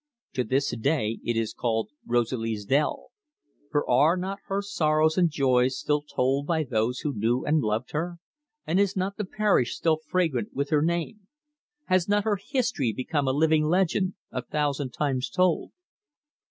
To this day it is called Rosalie's Dell; for are not her sorrows and joys still told by those who knew and loved her? and is not the parish still fragrant with her name? Has not her history become a living legend a thousand times told?